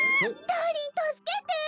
ダーリン助けてぇ！